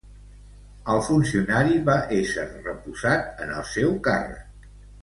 El funcionari va ésser reposat en el seu càrrec.